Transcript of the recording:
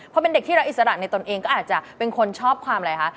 พอเป็นเด็กที่รักอิสระในตนเองก็อาจจะเป็นคนชอบความอะไรคะ